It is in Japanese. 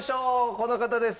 この方です。